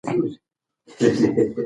استاد حبیبي د ادب ستوری دی.